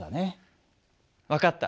分かった。